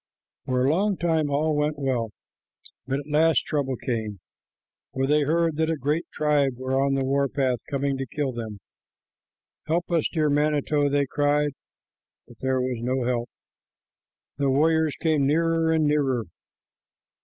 For a long time all went well, but at last trouble came, for they heard that a great tribe were on the war path coming to kill them. "Help us, dear manito," they cried but there was no help. The warriors came nearer and nearer.